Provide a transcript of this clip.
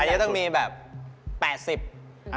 อันที่นี่ต้องมีแบบ๘๐บาท